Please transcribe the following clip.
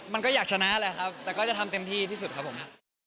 มันก็อยากชนะแหละครับแต่ก็จะทำเต็มที่ที่สุดครับผม